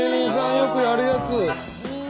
よくやるやつ！